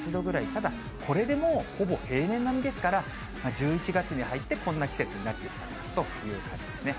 ただ、これでもうほぼ平年並みですから、１１月に入って、こんな季節になってきたという感じですね。